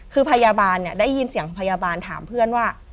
คือพยาบาลได้ยินเสียงพยาบาลถามเพื่อนว่า